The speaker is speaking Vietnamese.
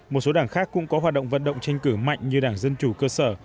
một số đảng khác cũng có hoạt động vận động tranh cử mạnh như đảng dân chủ cơ sở